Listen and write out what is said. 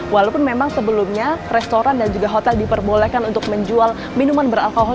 walaupun memang sebelumnya restoran dan juga hotel diperbolehkan untuk menjual minuman beralkohol